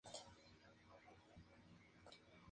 Se dedica a la promoción y desarrollo del deporte "amateur".